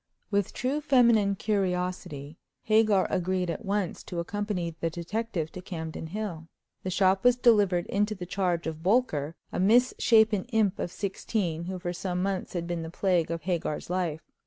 With true feminine curiosity, Hagar agreed at once to accompany the detective to Campden Hill. The shop was delivered into the charge of Bolker, a misshapen imp of sixteen, who for some months had been the plague of Hagar's life.